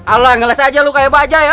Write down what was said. allah ngeles aja lu kayak pak ajar ya